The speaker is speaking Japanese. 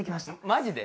マジで？